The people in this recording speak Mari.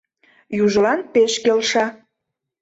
Южылан пеш келша.